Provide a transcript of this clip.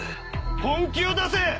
本気を出せ！